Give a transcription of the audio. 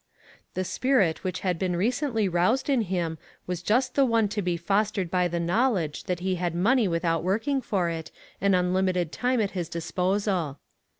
The spirit which had been recently roused in him, was just the one to be fostered by the knowl edge that he had money without working for it; and unlimited time at his disposal.